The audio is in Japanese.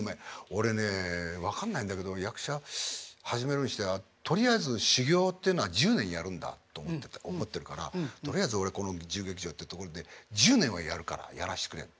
俺ねえ分かんないんだけど役者始めるにしてはとりあえず修業っていうのは１０年やるんだと思ってるからとりあえず俺この自由劇場ってところで１０年はやるからやらしてくれ。